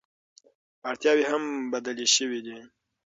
اړتیاوې هم بدلې شوې دي.